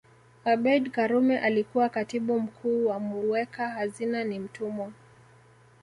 Abeid Karume alikuwa Katibu mkuu na muweka hazina ni Mtumwa